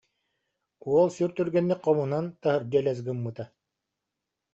уол сүр түргэнник хомунан, таһырдьа элэс гыммыта